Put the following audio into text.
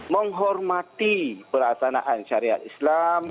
menghormati perasanaan syariat islam